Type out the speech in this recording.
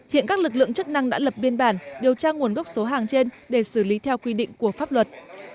hiện các lực lượng chức năng đã lập biên bản điều tra nguồn gốc số hàng trên để xử lý theo quy định của pháp luật